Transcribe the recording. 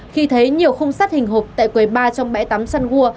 khi thấy nhiều khung sắt hình hộp tại quầy ba trong bãi tắm săn gua